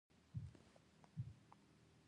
بوتل د ځینو مایعاتو خوند خرابوي.